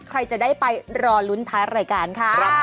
ใครจะได้ไปรอลุ้นท้ายรายการค่ะ